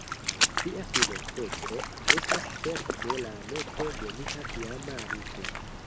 Via filo, Petro, estas certe la nepo de mia iama amiko.